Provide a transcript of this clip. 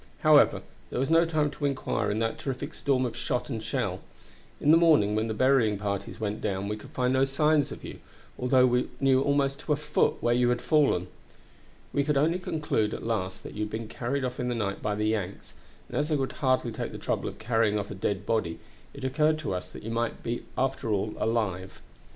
However, there was no time to inquire in that terrific storm of shot and shell. In the morning when the burying parties went down we could find no signs of you, although we knew almost to a foot where you had fallen. "We could only conclude at last that you had been carried off in the night by the Yanks, and as they would hardly take the trouble of carrying off a dead body, it occurred to us that you might after all be alive.